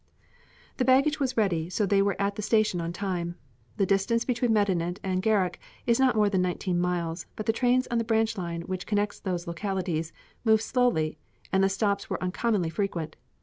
The baggage was ready, so they were at the station on time. The distance between Medinet and Gharak is not more than nineteen miles, but the trains on the branch line which connects those localities move slowly and the stops were uncommonly frequent.